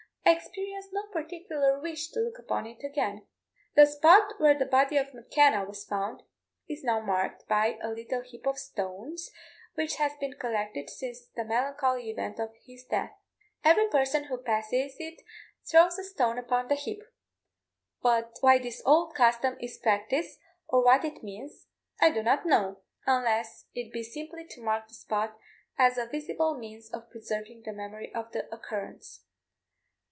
I experience no particular wish to look upon it again. The spot where the body of M'Kenna was found is now marked by a little heap of stones, which has been collected since the melancholy event of his death. Every person who passes it throws a stone upon the heap; but why this old custom is practised, or what it means, I do not know, unless it be simply to mark the spot as a visible means of preserving the memory of the occurrence.